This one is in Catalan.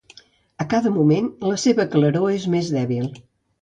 A cada moment la seva claror és més dèbil.